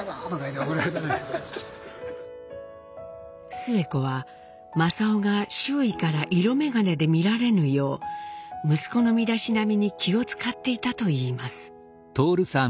スエ子は正雄が周囲から色眼鏡で見られぬよう息子の身だしなみに気を遣っていたといいます。